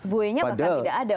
buoy nya bahkan tidak ada pak